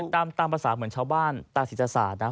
ตามภาษาเหมือนชาวบ้านตาศิษฐศาสตร์นะ